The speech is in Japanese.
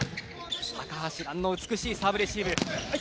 高橋藍の美しいサーブレシーブ。